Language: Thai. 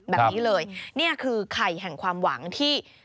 แบบนี้เลยนี่คือไข่แห่งความหวังที่